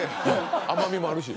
甘みもあるし